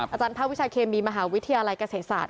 อาจารย์ภาควิชาเคมีมหาวิทยาลัยเกษตรศาสต